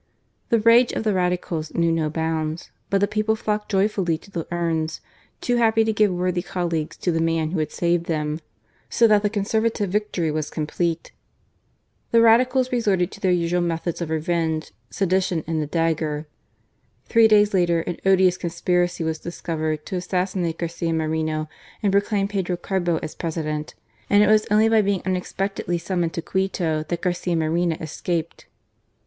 The rage of the Radicals knew no bounds ; but the people flocked joyfully to the urns, too happy to give worthy colleagues to the man who had saved them ; so that the Conservative victory was com plete. The Radicals resorted to their usual methods of revenge — sedition and the dagger. Three days later, an odious conspiracy was discovered to assassi nate Garcia Moreno and proclaim Pedro Carbo President ; and it was only by being unexpectedly summoned to Quito that Garcia Moreno escaped.